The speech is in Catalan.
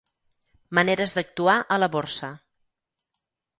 Maneres d'actuar a la Borsa.